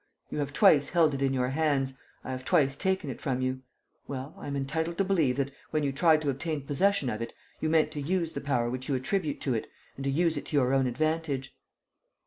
You have twice held it in your hands. I have twice taken it from you. Well, I am entitled to believe that, when you tried to obtain possession of it, you meant to use the power which you attribute to it and to use it to your own advantage...."